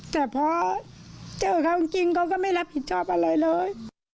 แต่พอเจอเขาจริงเขาก็ไม่รับผิดชอบอะไรเลย